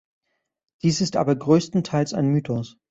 Dies ist aber größtenteils ein Mythos.